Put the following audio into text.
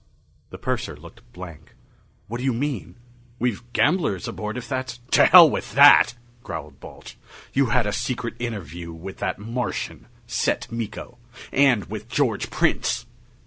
The purser looked blank. "What do you mean? We've gamblers aboard, if that's " "To hell with that," growled Balch. "You had a secret interview with that Martian, Set Miko, and with George Prince!"